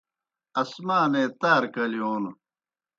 اسمانے تارہ کلِیون